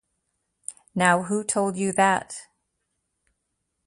Now who told you that?